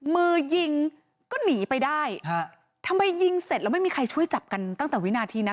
มือยิงก็หนีไปได้ฮะทำไมยิงเสร็จแล้วไม่มีใครช่วยจับกันตั้งแต่วินาทีนั้น